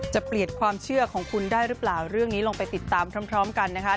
จะเปลี่ยนความเชื่อของคุณได้หรือเปล่าเรื่องนี้ลงไปติดตามพร้อมกันนะคะ